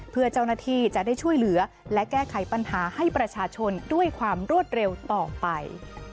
เพื่อเจ้าหน้าที่จะได้ช่วยเหลือและแก้ไขปัญหาให้ประชาชนด้วยความรวดเร็วต่อไป